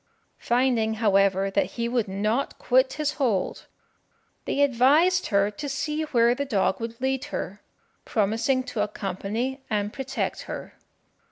Finding, however, that he would not quit his hold, they advised her to see where the dog would lead her, promising to accompany and protect her.